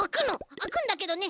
あくんだけどね